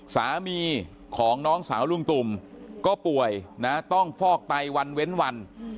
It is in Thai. สามีของน้องสาวลุงตุ่มก็ป่วยนะต้องฟอกไตวันเว้นวัน